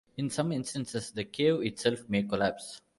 In some instances, the cave itself may collapse.